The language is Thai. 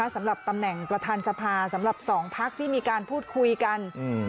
สำหรับตำแหน่งประธานสภาสำหรับสองพักที่มีการพูดคุยกันอืม